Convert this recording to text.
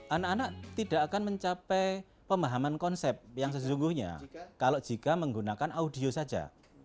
anak anak tidak akan mencapai pemahaman konsep yang sesungguhnya kalau jika menggunakan audio saja